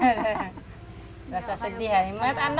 jadi dia sudah berjalan